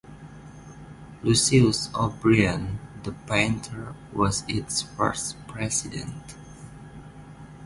Lucius O'Brien, the painter was its first President.